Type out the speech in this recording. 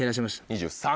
２３。